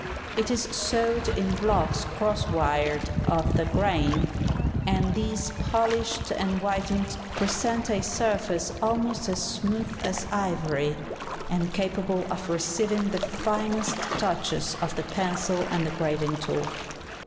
It is sawed in blocks crosswise of the grain, and these polished and whitened, present a surface almost as smooth as ivory, and capable of receiving the finest touches of the pencil and the graving tool.